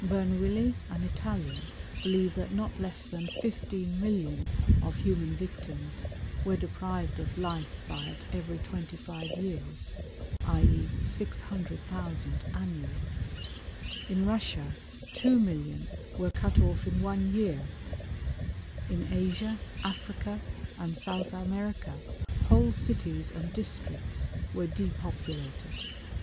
Bernouilli, an Italian, believed that not less than 15,000,000 of human victims were deprived of life by it every twenty five years, i. e., 600,000 annually. In Russia 2,000,000 were cut off in one year. In Asia, Africa, and South America, whole cities and districts were depopulated.